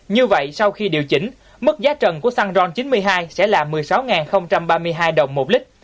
như vậy sau khi điều chỉnh mức giá trần của xăng ron chín mươi hai sẽ là một mươi sáu ba mươi hai đồng một lít